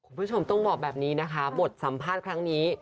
คุณผู้ชมต้องบอกแบบนี้นะคะบทสัมภาษณ์ครั้งนี้